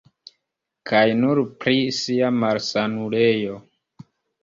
Kaj nur pri sia malsanulejo.